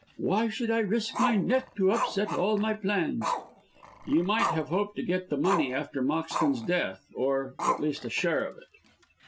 Why should I risk my neck to upset all my plans?" "You might have hoped to get the money after Moxton's death, or, at least, a share of it."